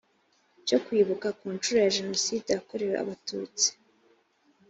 cyo kwibuka ku nshuro ya jenoside yakorewe abatutsi